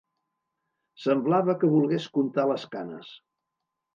Semblava que volgués contar les canes